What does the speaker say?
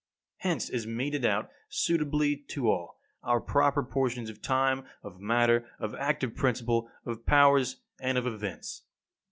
Hence is meted out, suitably to all, our proper portions of time, of matter, of active principle, of powers, and of events.